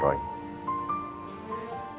kalau andin bukan pembunuhnya roy